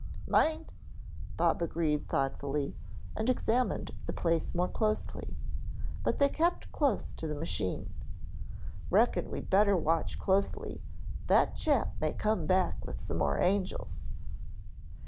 "Might," Bob agreed thoughtfully and examined the place more closely, but they kept close to the machine. "Reckon we'd better watch closely; that chap may come back with some more angels."